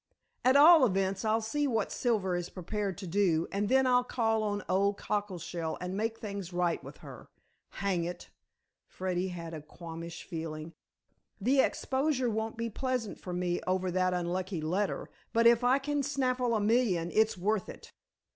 At all events, I'll see what Silver is prepared to do, and then I'll call on old Cockleshell and make things right with her. Hang it," Freddy had a qualmish feeling. "The exposure won't be pleasant for me over that unlucky letter, but if I can snaffle a million, it's worth it.